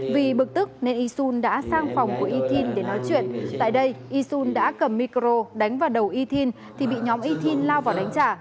vì bực tức nên yisun đã sang phòng của yitian để nói chuyện tại đây yisun đã cầm micro đánh vào đầu yitian thì bị nhóm yitian lao vào đánh trả